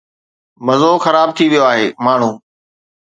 مزو خراب ٿي ويو آهي، ماڻهو